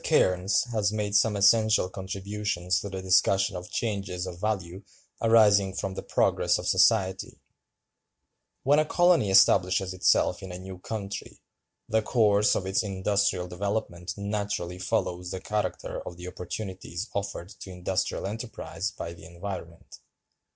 Cairnes has made some essential contributions to the discussion of changes of value arising from the progress of society:(296) "When a colony establishes itself in a new country, the course of its industrial development naturally follows the character of the opportunities offered to industrial enterprise by the environment.